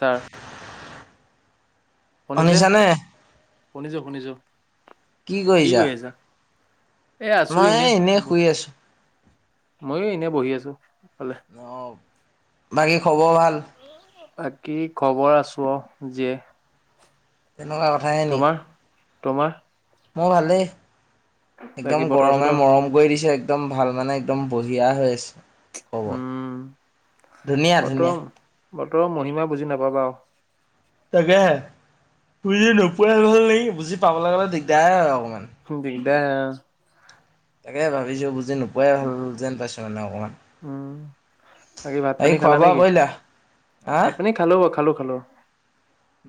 Sir শুনিছে শুনিছানে শুনিছো শুনিছো। কি কৰিছা? এই আছো মই এনে এই এনেই ব শুই আছো মই এনে বহি আছো। ফালে অ বাকী খবৰ ভাল। কি খবৰ আছো যে তেনেকুৱা কথাহে নি? তোমাৰ মোৰ ভালেই বাকী একদম বতৰ গৰমে চতৰ মৰম কৰি দিছে। একদম ভাল মানে একদম বঢ়িয়া হৈ আছে। হ'ব উম ধুনীয়া ধুনীয়া। বতৰ মহিমা বুজি নাপাবা তাকে হে বুজি নোপোৱাই হল নি বুজি পাবলৈ গ'লে দিগদাৰ হয় অকণমান। দিগদাৰ তাকে ভাবিছোঁ বুজি নোপোৱাই ভাল যেন পাইছোঁ মানে অকণমান। উম বাকী ভাত পানী খোৱা খালা বোৱা নেকি? কৰিলা হা ভাত পানী খালো, খালো। খালো।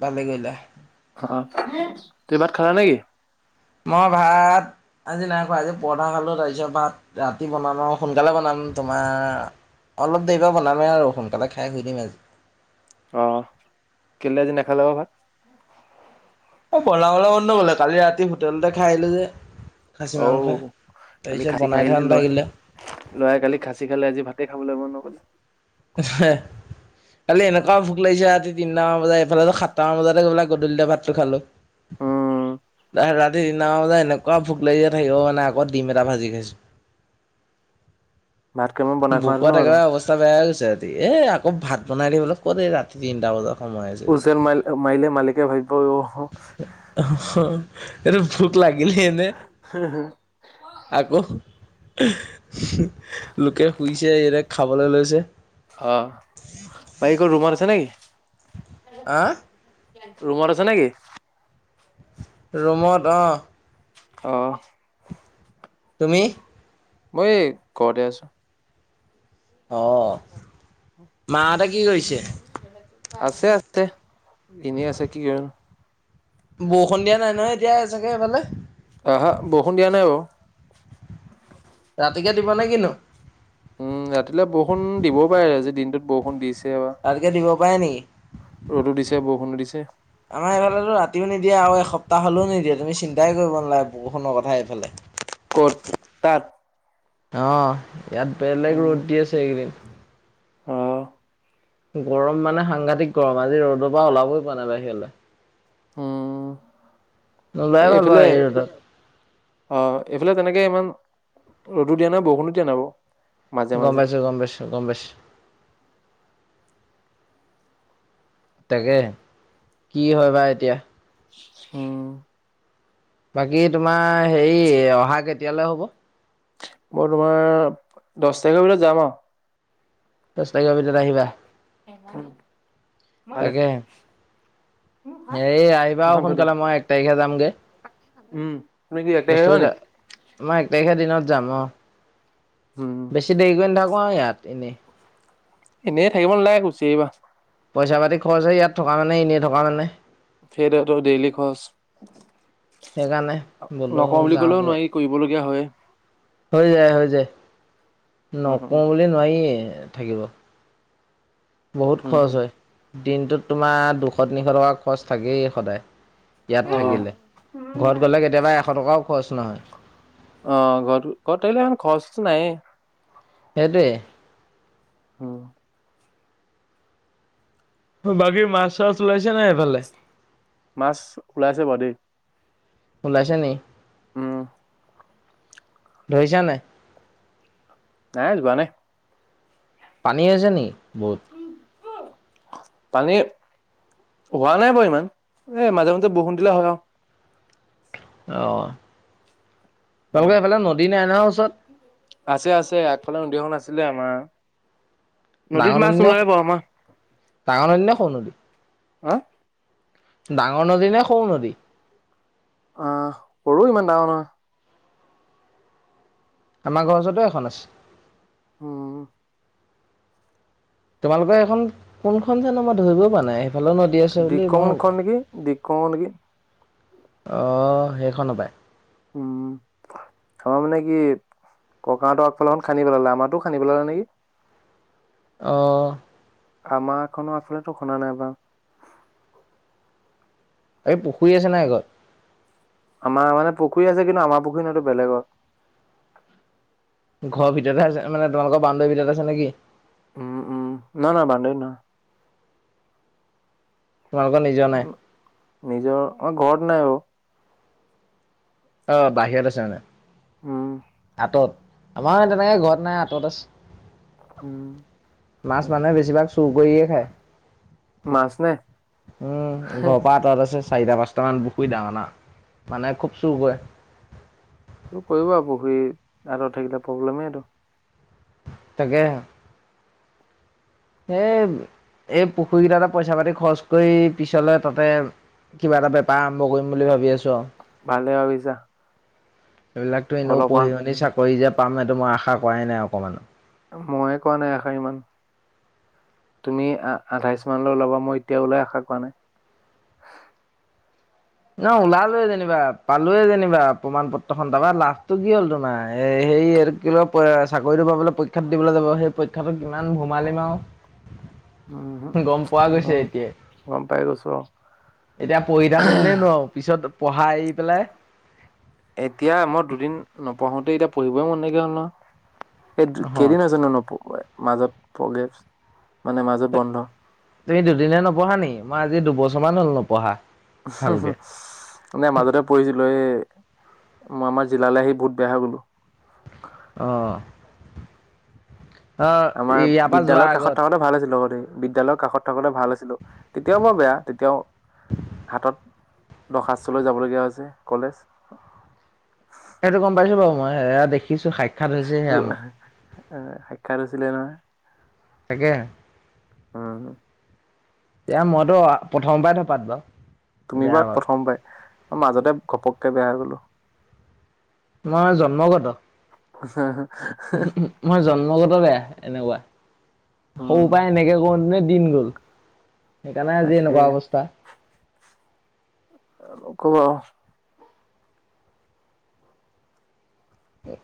ভালেই কৈলা। অ তুমিভাত খালা নেকি? মই ভাত আজি নাই খোৱা আজি পৰঠা খালো তাৰপিছত ভাত ৰাতি বনাম আৰু সোনকালে বনাম। তোমাৰ অলপ দেৰি পৰা বনামেই আৰু সোনকালে খাই শুই দিম আজি। অ কেলে আজি নেখালাবা ভাত? অ বনাব মন নগলে কালি ৰাতি হোটেলতে খাই আহিলো যে খাচী অ মাংস কালি তাৰপিছত খাচী বনাই খাই থোৱা আহিলে লোৱ নাথাকিলে ল'ৰা কালি খাচী খালে আজি ভাতে খাই খাবলৈ মন নহলে। কালি এনেকুৱাও ভোক লাগিছে ৰাতি তিনিটামান বজাত এইফালে সাতটামান বজাতে গৈ পেলায় গধূলি ভাতটো খালোঁ। উম ৰাতি তি নামানে বজাত এনেকুৱা ভোক লাগিছে থাকিব মানে আকৌ ডিম এটা ভাজি খাইছো। [unintelligible] ভাত কেইটামান বনাই খোৱাহেঁতেনো বোকত আৰু একেবাৰে অৱস্থা বেয়া গৈছে ৰাতি এ আকৌ ভাত বনাই থাকিবলে অলপ ক ৰাতি তিনটা বজাত সময় আছেগে। হুইচেল মাইলে মালিকে ভাবিব অ এইটো ভোক লাগিলেই নে আকৌ লোকে শুইছে ই খাবলৈ লৈছে। অ ভাই কি ৰুমত আছে নেকি? আহ? ৰুমত আছে নেকি? ৰুমত অঁ আহ। তুমি মই এই ঘৰতে আছোঁ। অ মা হতে আছে আছে এনেই আছে কি আৰু বৰষুণ দিয়া নাই নহয় এতিয়া চাগে এইফালে। আহা বৰষুণ দিয়া নাই বাও। ৰাতিকে দিবনে কিনো? উম ৰাতিলে বৰষুন দিবও পাৰে আজি দিনটোত বৰষুণ দিছে। বা ৰাতিকে দিব পাৰে নেকি ৰ'দো দিছে বৰষুণো দিছে। আমাৰ এইফালেতো ৰাতিও নিদিয়ে আৰু এসপ্তাহ হলেও নিদিয়ে তুমি চিন্তাই কৰিব নালাগে বৰষুণৰ কথাই এইফালে। কত তাত অ ইয়াত বেলেগ ৰ'দ দি আছে এইকেইদিন। অহ গৰম মানে সাংঘতিক গৰম আজি ৰ'দৰ পৰা ওলাবই পোৱা নাই বাহিৰলৈ। হম নোলোৱাই এ ভাল বাৰু এইফালে এই ৰ'দত অ এইফালে তেনেকে ইমান ৰ'দো দিয়া নাই বৰষুণো দিয় নাবা গম পাইছো, গম পাইছো, গম পাইছো। তাকে কি হয় বা এতিয়া। উমহ বাকী তোমাৰ হেৰি অহা কেতিয়ালৈ হব? মই তোমাৰ দচ তাৰিখৰ ভিতৰত যাম আৰু। দহ তাৰিখ ভিতৰত আহিবা উ ভালে। তাকে এই আহিবা আৰু মোৰখন থৈ দিয়া। সোনকালে। মই এক তাৰিখে যামগে। উম তুমি কি ইয়াতে বস্তু আহিবা নি? কেইটা, মই এক তাৰিখে দিনত যাম অ উম, বেছি দেৰি কৰি নথাকো আৰু ইয়াত এনেই এনেই থাকিব নালাগে গুছি আহিবা পইচা পাতি খৰচ হয় ইয়াত থকা মানে এনেই থকা মানে সেইটোৱে ত ডেইলি খৰচ সেইকাৰণে বোলো নকওঁ বুলি ক'লেও যাওঁগৈ নোৱাৰি কৰিবলগীয়া হয়। হৈ যায় হৈ যায় উম, নকওঁ উম, বুলি নোৱাৰি থাকিব বহুত উম, উম, খৰচ হয় দিনটোত তোমাৰ দুশ, তিনিশ, টকা খৰচ থাকেই সদায়। ইয়াত অ', থাকিলে, ঘৰত গ'লে কেতিয়াবা এশ টকাও খৰচ নহয়। অ ঘৰ ঘৰত থাকিলে ইমান খৰচটো নায়ে হেতে উম! বাকী মাছ চাছ ওলাইছে নাই সেইফালে মাছ ওলাইছে বাৰু দেই। ওলাইছে নি। উম ধৰিছা নাই? নাই যোৱা নাই। পানী হৈছে নি? পানী হোৱা নাই বাৰু ইমান এ মাজে মাজে বৰষুণ দিলে হয় আৰু আহ উম আছে আছে আগফালে নদীয়খন আছে আছিলে আমাৰ নদীত ডাঙৰ মাছ নদী নে ওলাই বা আমাৰ ডাঙৰ নদী নে সৰু নদী? হা। ডাঙৰ নদী নে সৰু নদী আহ সৰু ইমান ডাঙৰ নহয় আমাৰ ঘৰ ওচৰতটো এখন আছে। হোম [inaudible] তোমালোকৰ এখন কোনখন জানমত ধৰিবও পৰা নাই সেইফালেও নদী আছে বুলি মই দিকংখন ভবা নেকি দিকং নেকি আহ সেইখন সপায় উম! আমাৰ মানে কি ককাহঁতৰ আগফালে এখন খানি পেলালে, আমাতো খানি পেলালে নেকি? অঁ আমাৰ এখনো আগফালে খনা নাই বা। এই পুখুৰী আছে নাই ঘৰত আমাৰ মানে পুখুৰী আছে কিন্তু আমাৰ পুখুৰী সেতো বেলেগৰ ঘৰ ভিতৰতে আছে মানে তোমালোকৰ বান্দৱীৰ ভিতৰত আছে নেকি? উম! উম! না না বাণ্ডাৰিত নহয়। তোমালোকৰ নিজৰ নাই? উম! নিজৰ মই ঘৰত নাই বাৰু অ বাহিৰত আছে মানে উম তত আমাৰ তেনেকে ঘৰত নাই আঁতত আছে উম মাছ মানুহে বেছিভাগ চুৰ কৰিয়ে খায় মাছ নে উম ঘৰ আঁতৰত আছে চাৰিটা পাঁচটামান বুক দাওঁনা মানে খুব চুৰ কৈ চোৰ কৰিব আউ পুখুৰী আঁতৰত থাকিলে প্ৰব্লেমেইটো তাকে সেই এই পুখুৰীকেইটা এটা পইচা পাতি খৰচ কৰি পিছলে তাতে কিবা এটা বেপাৰ আৰম্ভ কৰিম বুলি ভাবি আছো আউ ভালে ভাবিছা এইবিলাকতো এনেও পঢ়ি অলপমান শুনি চাকৰি যে পাম সেইটো মই আশা কৰাই নাই অকমানো ময়ে কোৱা নাই আশাৰ ইমান তুমি আধাইছ মানলৈ ওলাবা মই এতিয়া ওলাই আশা কোৱা নাই ন ওলালোৱে যেনিবা পালোৱেই যেনিবা প্ৰমাণ পত্ৰখনন তাবা লাভটো কি হ'ল তোমাৰ এ সেই কি ল চাকৰিটো পাবলৈ পৰীক্ষাত দিবলৈ যাব সেই পৰীক্ষাতটো কিমান সোমালি আৰু গম পোৱা উমহু গৈছে এতিয়াই গম পাই গৈছো আৰু এতিয়া পঢ়ি থাক আৰু পিছত পঢ়াই আহি পেলাই এতিয়া মই দুদিন নপঢ়োতে এতিয়া পঢ়িবই মন নাইকিয়া হ'ল নহয়। ইেই অহ কেইদিন আছেনো নপহুৱাই মাজত গেপছ তুমি দুদিনে নপঢ়া নেকি মই আজি দুবছৰমান হ'ল নপঢ়া ভালকে মানে মাজতে পঢ়িছিলো এ মই আমাৰ জিলালে আহি বহুত বেয়া হৈ গ'লো আহঁ আমাৰ বিদ্যালয়ৰ কাষত থাকোতে ভাল আছিল লগতে বিদ্যালয় কাষত থাকোতে ভাল আছিলো তেতিয়াও বৰ বেয়া তেতিয়াও হাতত দৰ্খাস্তলৈ যাবলগীয়া হৈছে কলেজ। সেইটো গম পাইছো বাৰু মই সেয়া দেখি সাক্ষাৎ হৈছিলে নহয়। তাকে ওহোঁ এয়া মইতো প্ৰথম পাই দপাত বাউ তুমি বা প্ৰথম পাই মাজতে ঘপককে বেয়া হৈ গলো মই জন্মগত হা মই জন্মগত বেয়া এনেকুৱা সৰু উম পৰাই এনেকে কৰোতে দিন গ'ল সেইকাৰণে আজি তাকে এনেকুৱা অৱস্থা কব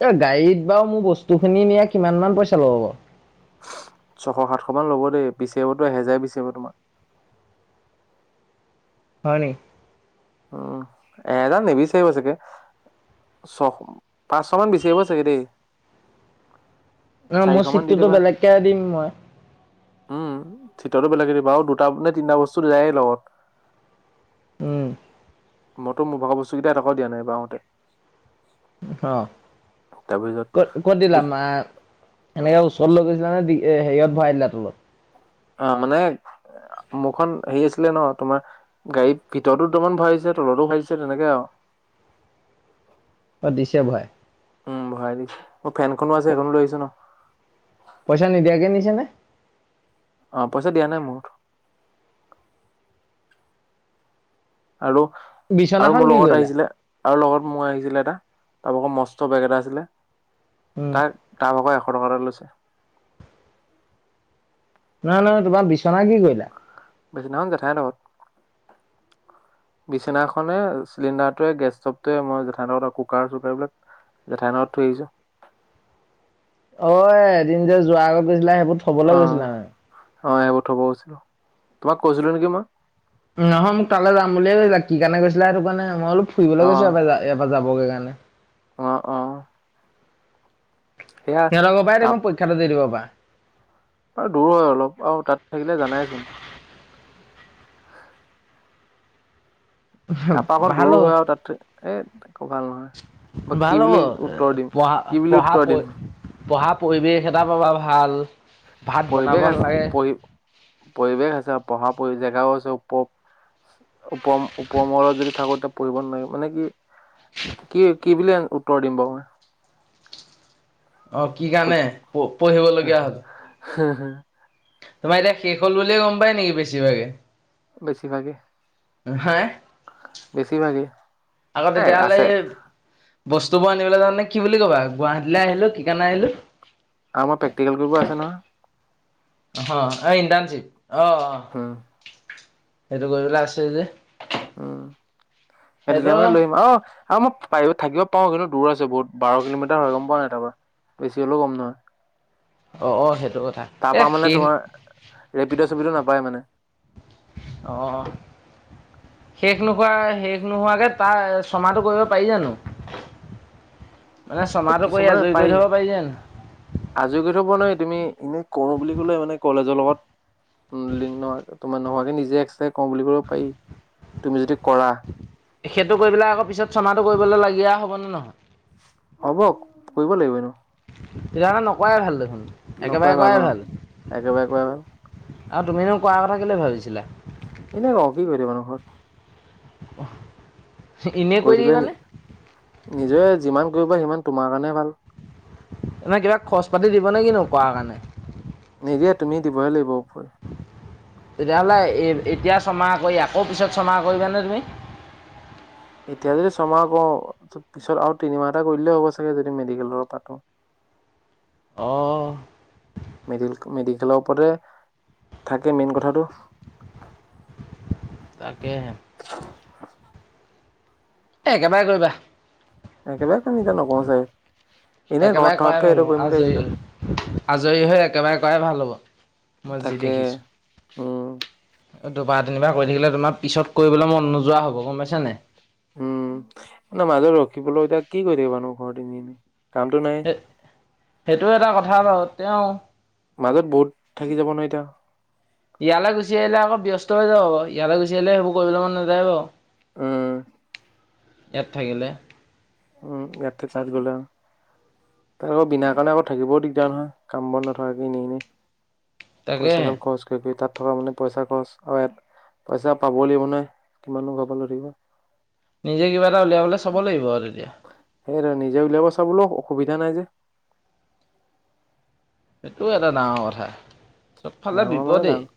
এ গাড়ীত বাৰু মোৰ বস্তু খিনি নিয়া কিমান মান পইচা ল'ব বাউ ছশ সাতশ মান ল'ব দেই বিচাৰিবতো এহেজাৰ বিচাৰিব তোমাৰ হয়নি উম এহেজাৰ নিবিচাৰিব চাগে ছশ পাঁচশ মান বিচাৰিব চাগে দেই ন চাৰিশ মোৰ মান দি চিটটোতো দিবা বেলেগকে দিম মই উম চিটৰতো বেলেগে দিবা আৰু দুটা নে তিনিটা বস্তু যায় লগত উম মইতো মোৰ ভাগৰ বস্তুকেইটা এটকাও দিয়া নাই বাওঁ আহোঁতে অ তাৰপিছত কত কত দিলা মা এনেকে ওচৰ লৈ গৈছিলা নে হেৰিয়ত ভৰাই দিলা তলত অ মানে মোৰখন হেৰি আছিলে ন তোমাৰ গাড়ী ভিতৰতো দুটামান ভৰাই দিছে তলতো ভাগিছে তেনেকে আৰু উম অ দিছে ভৰায় উম ভৰাই দিম মোৰ ফেনখনো আছে সেইখনো লৈ আহিছোঁ ন। পইচা নিদিয়াকে নিচানে? অ পইচা দিয়া নাই মোৰ হাতত আৰু আৰু বিচনাখন মোৰ কি লগত কৰিলা আহিছিলে আৰু লগত মোৰ আহিছিলে এটা তাৰ ভাগৰ মস্ত বেগ এটা আছিলে উম তাৰ, তাৰ ভাগৰ এশ- দুশ টকা এটা লৈছোঁ। নাই নহ তোমাৰ বিছনা কি কৰিলা? সেইদিনাখন জেথাহতৰ ঘৰত। বিচনাখনে চিলিণ্ডাৰটোৱে গেছ ষ্টভটোৱে মই জেঠাইত কুকাৰ চুকাৰ বিলাক জেঠাই ঘৰত থৈ আহিছোঁ। অ এদিন যে যোৱাৰ আগত গৈছিলা সেইবোৰ থবলৈ গৈছিলা মানে। অ সেইবোৰ থ'বলৈ গৈছিলো তোমাক কৈছিলো নেকি মই। নহয় মোক তালে যাম বুলিয়ে কৈছিলা কি কাৰণে গৈছিলা সেইটো কোৱা নাই মই বোলো অলপ ফুৰিব গৈছে সপায় এয়াপা যাব অকে কাৰণে অ অ সিহঁতৰ পৰাই দেখোন তাৰপৰা পৰীক্ষাটো দি দিব পাৰা। দূৰ হয় অলপ আৰু তাত থাকিলে জানাইচোন তাৰপৰা অকণ ভা'ল দূৰো হয় আৰু তাত এই একো ভাল নহয় মই কি ভা'ল বুলি উত্তৰ দিম পঢ়া কি বুলি পঢ়া উত্তৰ দিম পঢ়া পৰিৱেশ এটা পাবা ভাল। ভাত বনাব পৰিৱেশ আছে নালাগে পৰি পৰিৱেশ আছে। পঢ়া পৰি জেগাও আছে উপ উপ উপমলত যদি থাকো তেতিয়া পঢ়িব নোৱাই মানে কি কি কি বুলি উত্তৰ দিম বাও মই অ কি কাৰণে পঢ়িবলগীয়া হ'ল। [unintelligible] তোমাৰ এতিয়া শেষ হল বুলিয়ে গম পায় নেকি বেছিভাগে। বেছি ভাগে। [unintelligible] বেছি ভাগে। আক তেতিয়া হ'লে এ বস্তুবোৰ আনিবলৈ যাওঁতে কি বুলি কবা গুৱাহাটীলৈ আহিলো কি কাৰণে আহিলো। আম প্ৰেক্টিকেল কৰিব আছে নহয়। অ অ ইন্তানজিপ অ অ উম এইটো কৰিবলে আছে যে। উম সেই সেইটো তেতিয়া মানে লৈ আহিম অ। আৰু মই পাৰিব থাকিব পাৰো কিন্তু দূৰ আছে বহুত বাৰ কিলোমিটাৰ হৈ গম পোৱা নাই তাৰ পা বেছি হ'লেও কম নহয়। অ অ সেইট- তাৰ পৰা মানে তোমাৰ ৰেপিড চেপিডো নাপায় মানে। অ শেষ নোখোৱা শেষ নোহোৱাকে তাৰ ছমাহটো কৰিব পাৰি জানো। মানে এ ছমাহটো কৰি কিছুমানৰ আজৰি কৰি পাই থ'ব পাৰি জানো আজৰি কৈ থব ন তুমি এনেই কৰো বুলি ক'লে মানে কলেজৰ লগত লিগ্ন তোমাৰ নোহোৱাকে নিজে এক্স্ৰ কওঁ বুলি কওঁ পাৰি তুমি যদি কৰা সেইটো কৰি পেলাই আকৌ পিছত চমাহটো কৰিবলৈ লাগীয়া হবনে নহয়? হ'ব কৰিব লাগিব এনো তেতিয়াহলে নকোৱাই ভাল দেখোন নকৰাই একেবাৰে কৰাই অ ভাল। একেবাৰে কৰাই ভাল আৰু তুমিনো কোৱাৰ কথা কেলে ভাবিছিলা। এনে কওঁ কি কৰি থাকিবা নো ঘৰত। অহ কৰি থাকিলে নি নিজে যিমান কৰিব সিমান তোমাৰ কাৰণে ভাল এনে কিবা খৰচ পাতি দিবনে কি নো কোৱা কাৰণে? নিদিয়ে তুমি দিবহে লাগিব ওপৰি তেতিয়া হ'লে এতিয়া ছমাহ কৰি আকৌ পিছত ছমাহ কৰিবানে তুমি এতিয়া যদি ছমাহ ক পিছত আৰু তিনিমাহ এটা কৰি দিলে হ'ব চাগে যদি মেডিকেল পাত [unintelligible] অ মেড মেডিকেলৰ ওপৰতে থাকে মেইন কথাটো [unintelligible] তাকেহে এ একেবাৰে কৰিবা একেৰাৰে চিন্তা নকৰো চাগে এনে ঘৰত একেবাৰে কৰাই থকাতকে ভাল এইটো হব কৰিম বুলি ভাবিছিলো আজৰি আজৰি হৈ একেবাৰে কৰাই ভাল হ'ব মই যি তাকে দেখিছোঁ উম দুবাৰ তিনিবাৰ কৰি থাকিলে তোমাৰ পিছত কৰিবলৈ মন নোযোৱা হব গম পাইছি নাই উম ন মাজত ৰখিবলৈ এতিয়া কি কৰি থাকিবা নো ঘৰতে এনেই সেইটো এটা কথা আৰু তেওঁ মাজত বহুত থাকি যাব ন এতিয়া ইয়ালৈ গুচি আহিলে আকৌ ব্যস্ত হৈ যাব ইয়ালৈ গুচি আহিলে সেইবোৰ কৰিবলৈ মন নাযায় বাৰু উম এয়াত থাকিলে উম এয়াটো তাত গলা তাৰ আকৌ বিনা কাৰণে আকৌ থাকিবও দিগদাৰ নহয় কাম বন নথকাকে এনেই এনেই তাকেহে পইচাদম খৰচ কৰি কৰি তাত থকা মানে পইচা খৰচ আৰু ইয়াত পইচা পাব লাগিব নহয় কিমানো ঘৰ ফালে দিব নিজে কিবা এটা উলিয়াবলে চাব লাগিব আৰু তেতিয়া সেই নিজে উলিয়াব চাবলৈ অসুবিধা নাই যে সেইটোও এটা ডাঙৰ কথা চবফালে ডাঙৰ মানে বিপদেই ডাঙৰ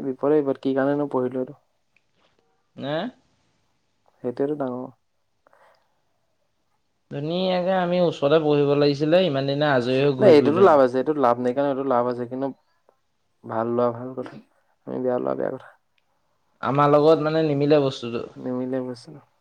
এই বিপদ বিপদ কি কাৰণেনো পঢ়িলো আৰু হে সেইটোৱেতো ডাঙৰ ধুনীয়াকে আমি ওচৰতে পঢ়িব লাগিছিলে ইমান দিনে আজৰি হৈ নাই ঘূৰি এইটোতো ফুৰিলোহেঁতেন লাভ আছে এইটো লাভ নাই সেই কাৰণে এইটো লাভ আছে কিন্তু ভাল লৰা ভাল কথা আমি বেয়া লৰা বেয়া কথা আমাৰ লগত মানে নিমিলে বস্তুটো নিমিলে বস্তু